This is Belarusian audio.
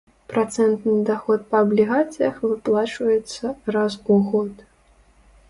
Працэнтны даход па аблігацыях выплачваецца раз у год.